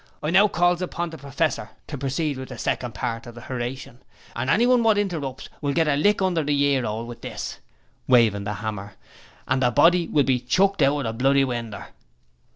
I now calls upon the professor to proceed with the second part of the horation: and anyone wot interrupts will get a lick under the ear 'ole with this' waving the hammer 'and the body will be chucked out of the bloody winder.'